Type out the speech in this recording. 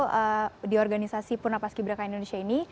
di situ di organisasi purna pas ki braka indonesia ini